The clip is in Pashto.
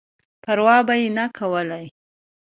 پر وا به یې نه کولای.